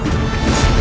kau tidak tahu